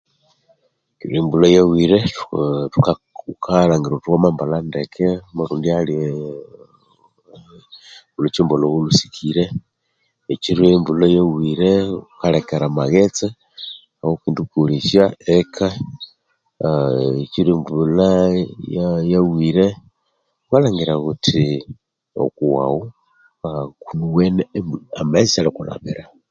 Ekiro embulha yawire okalhangire wuthi wamambalha ndeke wamalhondya ahali olhukimpa lhawo olhusokire ekiro embulha yawire wukalekera amaghetse awawukendikolesya eka ekiro embulha yawire wukalhangire wuthi amaghetse shalikulhamira